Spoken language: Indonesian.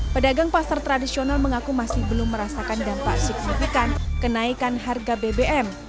pedagang pasar tradisional mengaku masih belum merasakan dampak signifikan kenaikan harga bbm